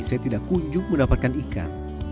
saya tidak kunjung mendapatkan ikan